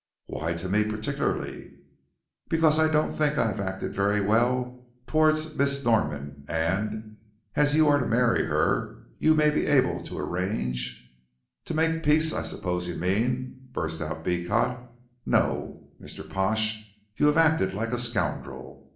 "Why to me particularly." "Because I don't think I have acted very well towards Miss Norman, and, as you are to marry her, you may be able to arrange " "To make peace I suppose you mean," burst out Beecot; "no, Mr. Pash, you have acted like a scoundrel.